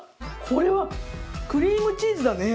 これはクリームチーズだね。